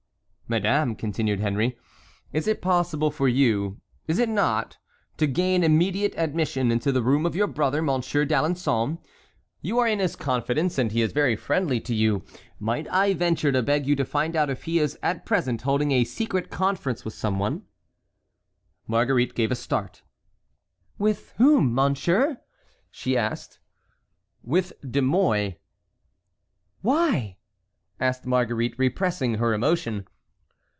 "Madame," continued Henry, "it is possible for you, is it not, to gain immediate admission into the room of your brother, Monsieur d'Alençon? You are in his confidence and he is very friendly to you; might I venture to beg you to find out if he is at present holding a secret conference with someone?" Marguerite gave a start. "With whom, monsieur?" she asked. "With De Mouy." "Why?" asked Marguerite, repressing her emotion.